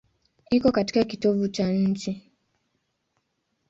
Iko katika kitovu cha nchi.